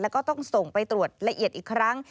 แล้วก็ต้องส่งไปตรวจละเอียดอีกครั้ง